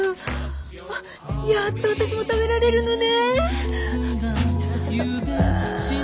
あっやっと私も食べられるのね。